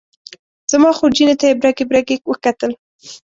زما خورجینې ته یې برګې برګې وکتل.